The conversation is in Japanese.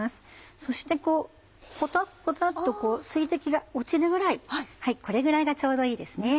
そしてポタポタっと水滴が落ちるぐらいこれぐらいがちょうどいいですね。